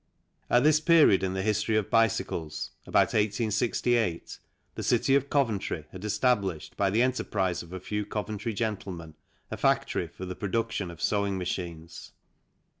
At this period in the history of bicycles, about 1868, ! the city of Coventry had established, by the enterprise of a few Coventry gentlemen, a factory for the produc tion of sewing machines.